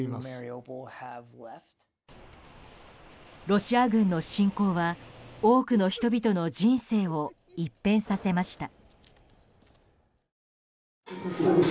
ロシア軍の侵攻は多くの人々の人生を一変させました。